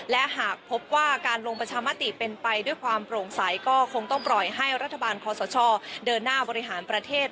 และหากพบว่าการลงประชามติเป็นไปด้วยความโปร่งใสก็คงต้องปล่อยให้รัฐบาลคอสชเดินหน้าบริหารประเทศ